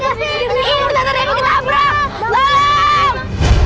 tante devi kita berang tolong